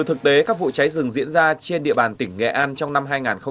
trước khi các vụ cháy rừng diễn ra trên địa bàn tỉnh nghệ an trong năm hai nghìn hai mươi hai